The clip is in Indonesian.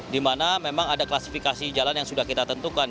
di mana memang ada klasifikasi jalan yang sudah kita tentukan